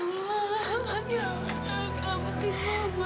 ya allah ya allah selamat tinggal mak